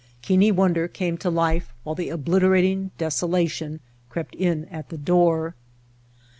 Keane Wonder came to life while the obliterating desolation crept in at the door.